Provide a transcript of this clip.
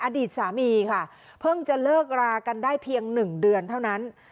อดีตสามีค่ะเพิ่งจะเลิกรากันได้เพียง๑เดือนเท่านั้น